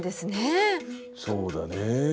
そうだね